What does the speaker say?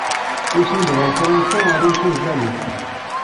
Usan-d ɣer Fransa, rran-tt i tẓallit.